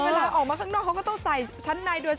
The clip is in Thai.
เวลาออกมาข้างนอกเขาก็ต้องใส่ชั้นในโดยเฉพาะ